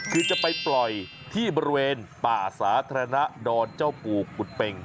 คือจะไปปล่อยที่บริเวณป่าสาธารณะดอนเจ้าปู่กุฎเป็ง